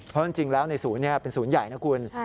เพราะจริงแล้วในศูนย์เป็นศูนย์ใหญ่นะคุณ